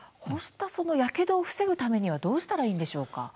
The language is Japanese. こうしたやけどを防ぐためにはどうしたらいいんでしょうか。